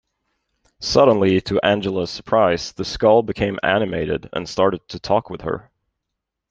Suddenly to Angela's surprise, the skull became animated and started to talk with her.